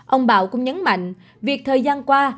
ông bảo cũng nhấn mạnh việc thời gian qua